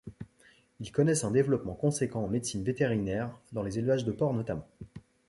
Ils connaissent un développement conséquent en médecine vétérinaire dans les élevages de porc notamment.